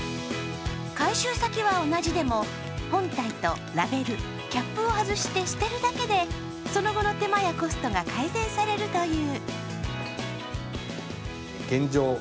回収先は同じでも本体とラベル、キャップを外して捨てるだけでその後の手間やコストが改善されるという。